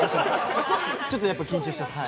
ちょっとやっぱ緊張してます。